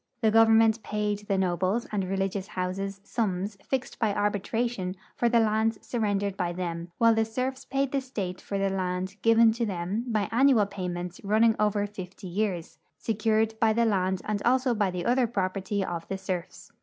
The government paid the nobles and religious houses sums fixed by arbitration for the lands surren dered by them, while the serfs paid the state for the land given to them by annual payments running over fifty years, secured by the land and also by the other property of the serfs.